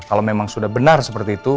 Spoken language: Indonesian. kalau memang sudah benar seperti itu